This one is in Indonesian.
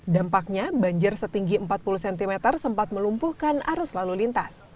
dampaknya banjir setinggi empat puluh cm sempat melumpuhkan arus lalu lintas